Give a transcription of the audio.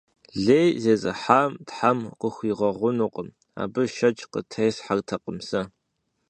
Лей зезыхьам Тхьэм къыхуигъэгъунукъым – абы шэч къытесхьэртэкъым сэ.